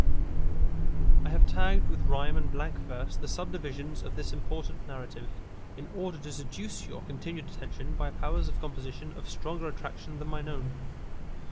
_ I have tagged with rhyme and blank verse the subdivisions of this important narrative, in order to seduce your continued attention by powers of composition of stronger attraction than my own.